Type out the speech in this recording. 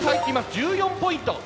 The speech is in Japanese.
１４ポイント。